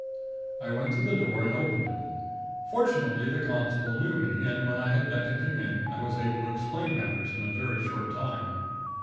"I went to the door, and opened it. Fortunately the constable knew me, and when I had beckoned him in, I was able to explain matters in a very short time.